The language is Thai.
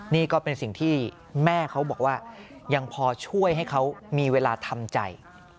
นี่ก็เป็นสิ่งที่แม่เขาบอกว่ายังพอช่วยให้เขามีเวลาทำใจ